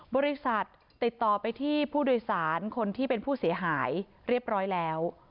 บริษัทติดต่อไปที่ผู้โดยสารคนที่เป็นผู้เสียหายเรียบร้อยแล้ว